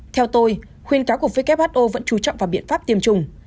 theo tôi khuyên cáo của who vẫn trú trọng vào biện pháp tiêm chủng